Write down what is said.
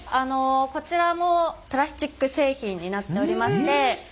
こちらもプラスチック製品になっておりまして。